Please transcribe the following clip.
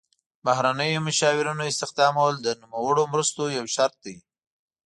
د بهرنیو مشاورینو استخدامول د نوموړو مرستو یو شرط دی.